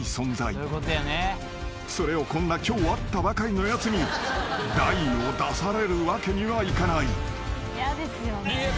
［それをこんな今日会ったばかりのやつに大を出されるわけにはいかない］